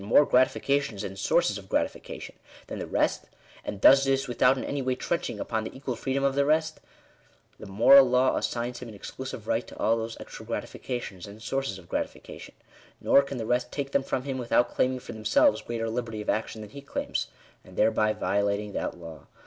more gratifications and sources of gratification than the rest, and does this without in any way trenching upon the equal freedom of the rest, the moral law assigns him an exclusive right to all those extra gratifications and sources of gratifica tion ; nor can the rest take them from him without claiming for themselves greater liberty of action than he claims, and thereby violating that law.